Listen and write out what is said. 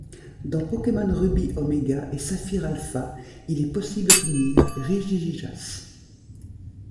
Dans Pokémon Rubis Oméga et Saphir Alpha, il est possible d'obtenir Regigigas.